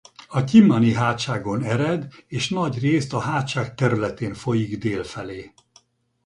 A Tyimani-hátságon ered és nagy részt a hátság területén folyik dél felé.